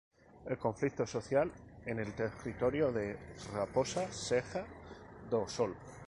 El conflicto social en el territorio de Raposa Serra do Sol.